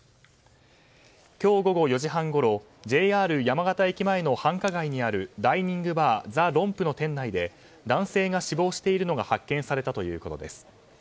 今日午後４時半ごろＪＲ山形駅前の繁華街にあるダイニングバーザ・ロンプの店内で男性が死亡しているのが発見されたということです。